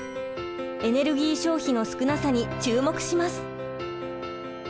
エネルギー消費の少なさに注目します！